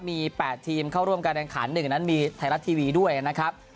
มี๘ทีมเข้าร่วมการแข่งขัน๑นั้นมีไทยรัฐทีวีด้วยนะครับ